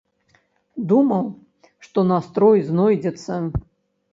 Думаў, што настрой знойдзецца.